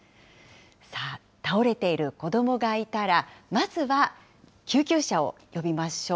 さあ、倒れている子どもがいたら、まずは救急車を呼びましょう。